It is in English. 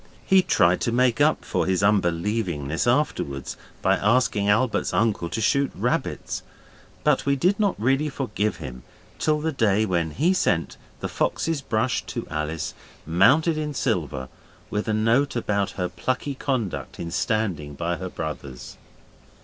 He tried to make up for his unbelievingness afterwards by asking Albert's uncle to shoot rabbits; but we did not really forgive him till the day when he sent the fox's brush to Alice, mounted in silver with a note about her plucky conduct in standing by her brothers.